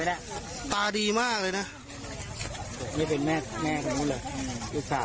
หยุดดูเผงต้นเลยมาขโมยแม่มา